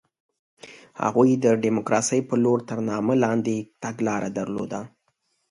هغوی د ډیموکراسۍ په لور تر نامه لاندې تګلاره درلوده.